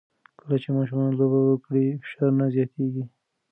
کله چې ماشومان لوبه وکړي، فشار نه زیاتېږي.